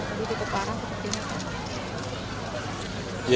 tadi cukup parah cukup kena